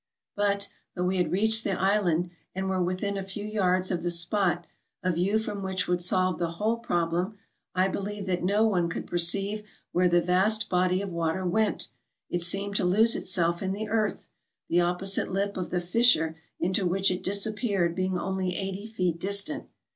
But, though we had reached the island, and were within a few yards of the spot, a view from which would solve the whole problem, I believe that no one could perceive where the vast body of water went; it seemed to lose itself in the earth, the opposite lip of the fissure into which it disappeared being only eighty feet distant.